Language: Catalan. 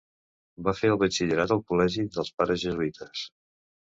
Va fer el batxillerat al Col·legi dels Pares Jesuïtes.